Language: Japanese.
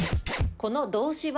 この動詞は？